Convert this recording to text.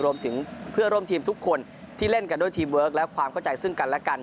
รวมถึงเพื่อนร่วมทีมทุกคนที่เล่นกันด้วยทีมเวิร์คและความเข้าใจซึ่งกันและกัน